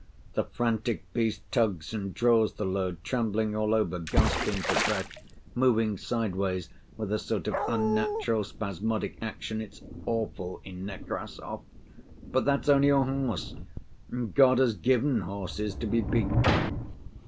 The frantic beast tugs and draws the load, trembling all over, gasping for breath, moving sideways, with a sort of unnatural spasmodic action—it's awful in Nekrassov. But that's only a horse, and God has given horses to be beaten.